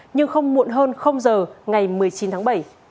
nhưng không muộn hơn giờ ngày một mươi chín tháng bảy